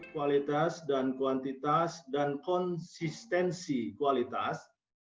kualitas dan kuantitas dan konsistensi kualitas